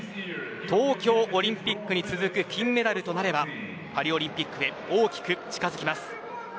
東京オリンピックに続く金メダルとなればパリオリンピックへ大きく近づきます。